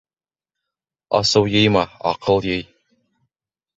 Асыу йыйма, аҡыл йый.